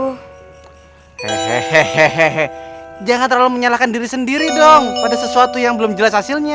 hehehe jangan terlalu menyalahkan diri sendiri dong pada sesuatu yang belum jelas hasilnya